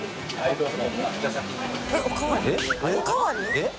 えっ